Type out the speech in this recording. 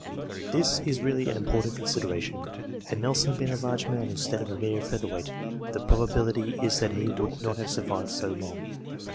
This is really an important consideration. Had Nelson been a large man, instead of a mere feather weight, the probability is that he would not have survived so long.